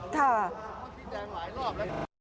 ครับ